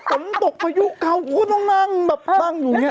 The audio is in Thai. ฝนตกผายุเขาก็ต้องนั่งแบบบั้งงอยู่เนี้ย